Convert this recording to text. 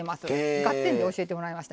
「ガッテン！」で教えてもらいました。